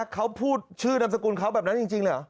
เขาพูดชื่อนามสกุลเขาแบบนั้นจริงเหรอ